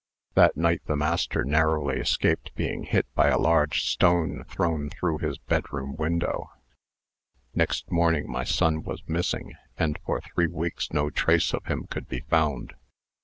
That night the master narrowly escaped being hit by a large stone thrown through his bedroom window. Next morning my son was missing, and for three weeks no trace of him could be found.